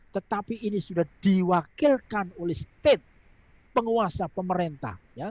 tetapi ini sudah diwakilkan oleh state penguasa pemerintah